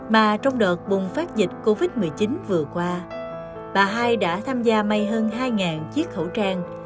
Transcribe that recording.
mà trong đợt bùng phát dịch covid một mươi chín vừa qua bà hai đã tham gia may hơn hai chiếc khẩu trang